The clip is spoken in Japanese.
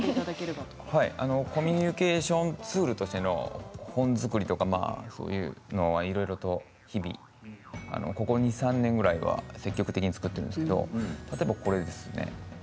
コミュニケーションツールとしての本作りというかそういうのはいろいろと日々、ここ２、３年ぐらいは積極的に作っているんですけど例えばこれですね。